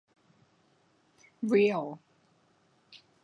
เรียล